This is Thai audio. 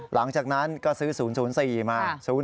หลังจากนั้นก็ซื้อ๐๐๔มา